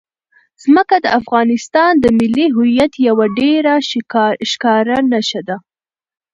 ځمکه د افغانستان د ملي هویت یوه ډېره ښکاره نښه ده.